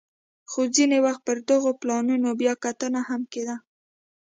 خو ځیني وخت به پر دغو پلانونو بیا کتنه هم کېده